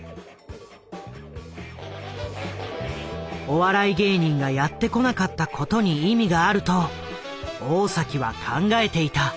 お笑い芸人がやってこなかったことに意味があると大は考えていた。